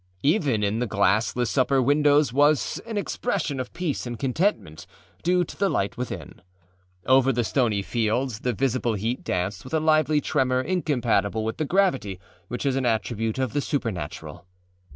Even in the glassless upper windows was an expression of peace and contentment, due to the light within. Over the stony fields the visible heat danced with a lively tremor incompatible with the gravity which is an attribute of the supernatural.